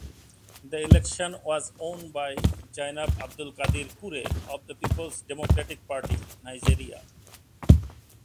The election was won by Zainab Abdulkadir Kure of the Peoples Democratic Party (Nigeria).